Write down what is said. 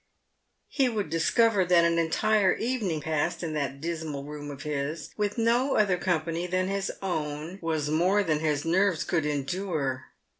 He would discover that an entire evening passed in that dismal room of his, with no other company than his own, was more than his nerves' could endure.